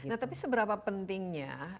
nah tapi seberapa pentingnya